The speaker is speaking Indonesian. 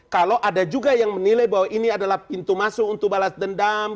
kalau ada juga yang menilai bahwa ini adalah pintu masuk untuk balas dendam